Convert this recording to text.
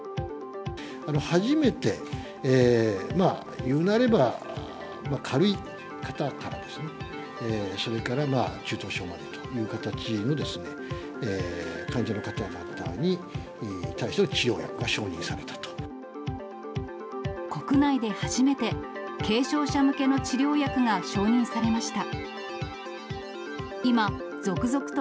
初めて、まあ、いうなれば、軽い方からですね、それから中等症までという形のですね、患者の方々に対しての治療国内で初めて、軽症者向けの治療薬が承認されました。